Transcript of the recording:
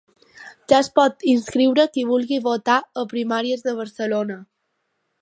Ja es pot inscriure qui vulgui votar a Primàries de Barcelona